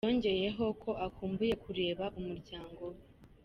Yongeyeho ko akumbuye kureba umurango we.